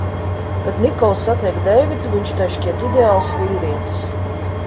Kad Nikola satiek Deividu, viņš tai šķiet ideāls vīrietis.